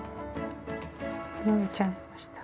縫えちゃいました。